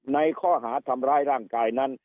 ในข้อหาทำร้ายร่างกายนั้น